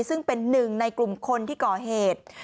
ซึ่งเป็นหนึ่งในกลุ่มคนที่ก่อเหตุ